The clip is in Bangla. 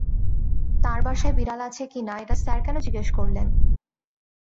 তাঁর বাসায় বিড়াল আছে কি না এটা স্যার কেন জিজ্ঞেস করলেন?